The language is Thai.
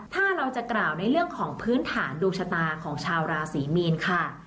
ถ้าเราจะกล่าวในเรื่องของพื้นฐานดวงชะตาของชาวราศรีมีนค่ะ